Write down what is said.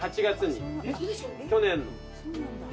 ８月に去年の。